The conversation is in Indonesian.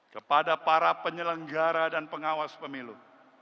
kepada para penyelenggara dan pengawas pemilu